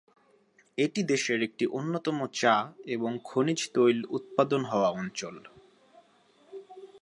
এটি দেশের একটি অন্যতম চা এবং খনিজ তৈল উৎপাদন হওয়া অঞ্চল।